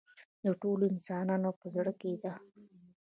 د ټولو انسانانو په زړه کې ده.